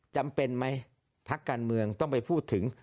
จำเป็นไหมพักการเมืองต้องไปพูดถึง